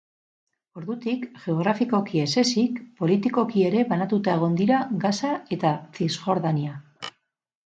Ordutik, geografikoki ez ezik, politikoki ere banatuta egon dira Gaza eta Zisjordania.